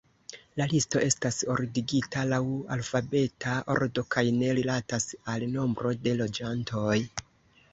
La listo estas ordigita laŭ alfabeta ordo kaj ne rilatas al nombro de loĝantoj.